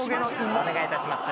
お願いいたします。